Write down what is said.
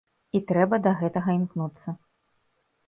І трэба да гэтага імкнуцца.